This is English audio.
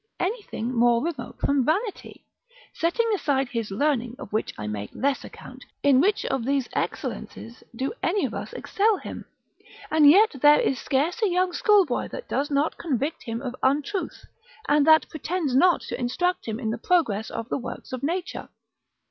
Anything more remote from vanity? Setting aside his learning, of which I make less account, in which of these excellences do any of us excel him? And yet there is scarce a young schoolboy that does not convict him of untruth, and that pretends not to instruct him in the progress of the works of nature.